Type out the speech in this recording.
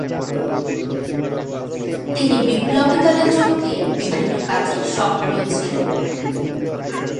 তিনি বিপ্লবী দলে যোগ দিয়ে বিভিন্ন কাজে সক্রিয় ছিলেন।